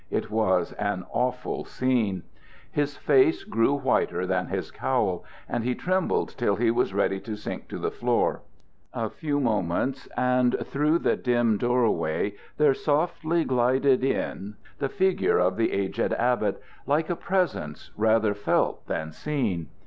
It was an awful scene. His face grew whiter than his cowl, and he trembled till he was ready to sink to the floor. A few moments, and through the dim door way there softly glided in the figure of the aged abbot, like a presence rather felt than seen.